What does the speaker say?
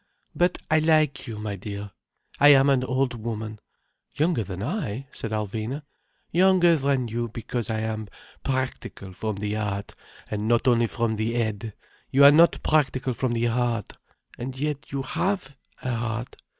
But I like you, my dear. I am an old woman—" "Younger than I," said Alvina. "Younger than you, because I am practical from the heart, and not only from the head. You are not practical from the heart. And yet you have a heart."